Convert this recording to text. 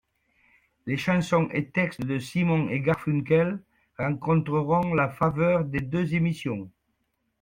Les chansons et textes de Simon & Garfunkel rencontreront la faveur des deux émissions.